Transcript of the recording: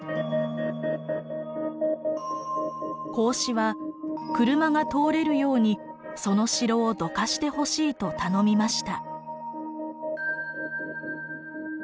孔子は車が通れるようにその城をどかしてほしいと頼みました。